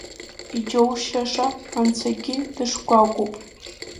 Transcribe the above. Иџьоушьаша, Анцәагьы дышкәакәоуп!